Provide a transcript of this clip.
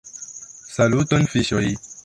Saluton fiŝoj